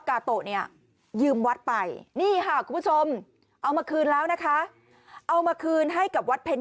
กาโตะเนี่ยยืมวัดไปนี่ค่ะคุณผู้ชมเอามาคืนแล้วนะคะเอามาคืนให้กับวัดเพ็ญ